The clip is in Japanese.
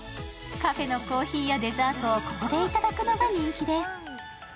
カフェのコーヒーやデザートをここでいただくのが人気です。